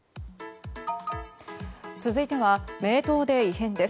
続いては名湯で異変です。